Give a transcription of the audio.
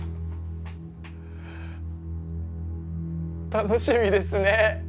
楽しみですね！